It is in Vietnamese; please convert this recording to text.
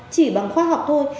chỉ bằng khoa học thôi